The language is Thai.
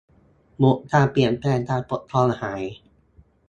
หมุดเปลี่ยนแปลงการปกครองหาย